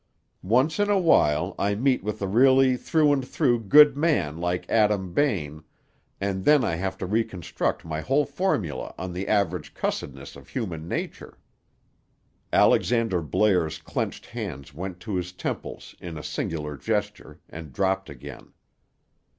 Once in a while I meet with a really, through and through good man like Adam Bain, and then I have to reconstruct my whole formula of the average cussedness of human nature." Alexander Blair's clenched hands went to his temples in a singular gesture, and dropped again.